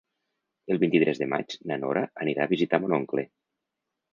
El vint-i-tres de maig na Nora anirà a visitar mon oncle.